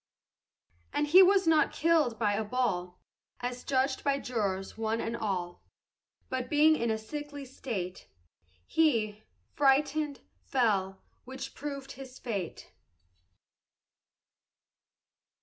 And he was not killed by a ball, As judged by jurors one and all; But being in a sickly state, He, frightened, fell, which proved his fate.